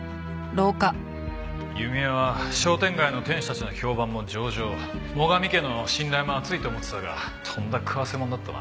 弓江は商店街の店主たちの評判も上々最上家の信頼も厚いと思ってたがとんだ食わせ者だったな。